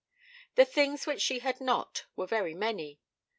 The things which she had not were very many.